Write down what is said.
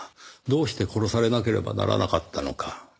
どうして殺されなければならなかったのか。